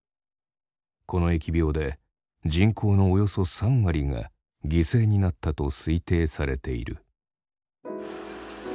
この疫病で人口のおよそ３割が犠牲になったと推定されている。